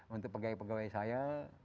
untuk pegawai pegawai saya